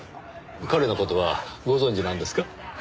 彼の事はご存じなんですか？